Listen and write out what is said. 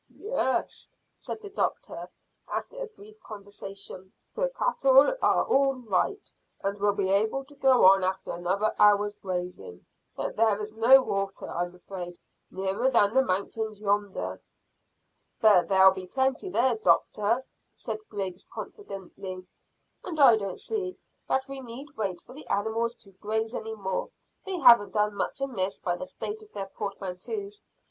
"Yes," said the doctor, after a brief conversation, "the cattle are all right, and will be able to go on after another hour's grazing; but there is no water, I'm afraid, nearer than the mountains yonder." "But there'll be plenty there, doctor," said Griggs confidently, "and I don't see that we need wait for the animals to graze any more; they haven't done much amiss by the state of their portmanteaus.